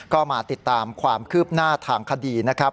ก็มาติดตามความคืบหน้าทางคดีนะครับ